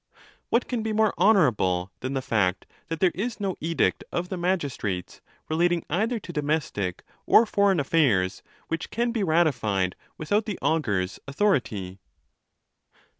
What can be more honourable than the fact that there is no edict of the magistrates, relating either to domes tic or foreign affairs, which can be ratified without the augur's authority.